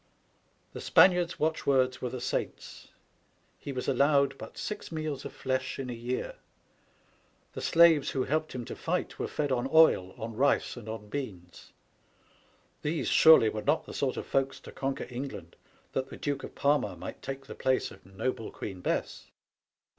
The Spaniard's watchwords were the saints. He was allowed but six meals of flesh in a year. The slaves who helped him to fight were fed on oil, on rice, and on beans. These, surely, were not the sort of folks to conquer England, that the Duke of Parma might take the place of noble Queen Bess